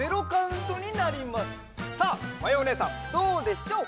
さあまやおねえさんどうでしょう？